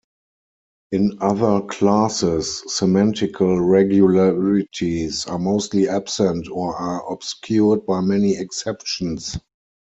In other classes, semantical regularities are mostly absent or are obscured by many exceptions.